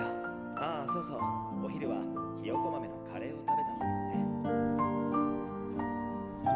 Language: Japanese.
ああそうそうお昼はひよこ豆のカレーを食べたんだけどね。